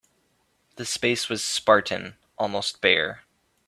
The space was spartan, almost bare.